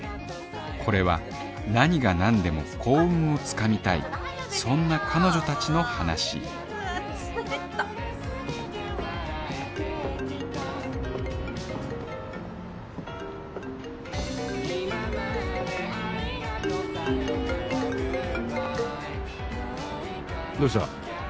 これは何が何でも幸運を掴みたいそんな彼女たちの話どうした？